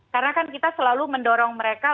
karena kan kita selalu mendorong mereka